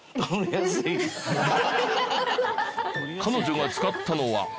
彼女が使ったのは。